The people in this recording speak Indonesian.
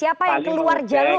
siapa yang keluar jalur